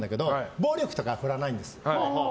暴力とか振るわないんです。